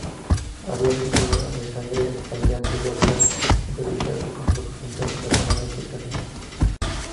Había regresado a Zagreb el día anterior, tras entrevistarse con representantes alemanes e italianos.